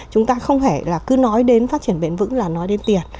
chúng ta không hề là cứ nói đến phát triển bền vững là nói đến tiền